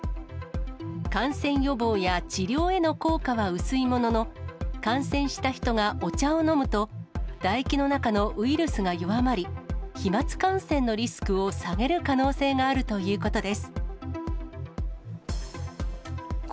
感染予防や治療への効果は薄いものの、感染した人がお茶を飲むと、唾液の中のウイルスが弱まり、飛まつ感染のリスクを下げる可能性があるということです。